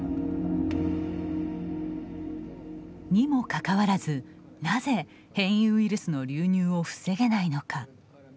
にもかかわらずなぜ変異ウイルスの流入を防げないのか。